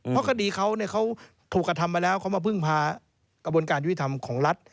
เพราะคดีเขาเขาถูกกระทำมาแล้วเขามาพึ่งพากระบวนการยุติธรรมของรัฐ